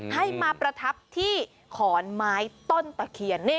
ให้มาประทับที่ขอนไม้ต้นตะเคียน